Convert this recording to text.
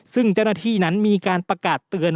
ซึ่งเจ้าหน้าที่นั้นมีการประกาศเตือน